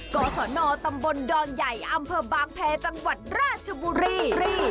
กศนตำบลดอนใหญ่อำเภอบางแพรจังหวัดราชบุรี